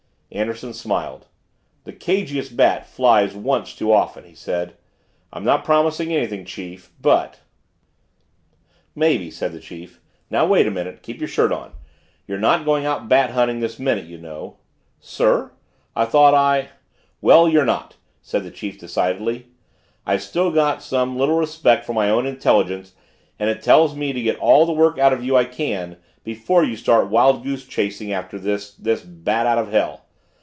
Anderson smiled. "The cagiest bat flies once too often," he said. "I'm not promising anything, chief, but " "Maybe," said the chief. "Now wait a minute, keep your shirt on, you're not going out bat hunting this minute, you know " "Sir? I thought I " "Well, you're not," said the chief decidedly. "I've still some little respect for my own intelligence and it tells me to get all the work out of you I can, before you start wild goose chasing after this this bat out of hell.